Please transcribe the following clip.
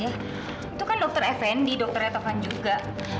itu kan dokter effendi dokter etokan juga